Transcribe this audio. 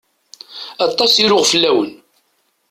Aṭas i ruɣ fell-awen.